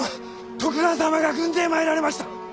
徳川様が軍勢参られました！